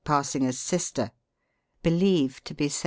Passing as sister. Believed to be 774."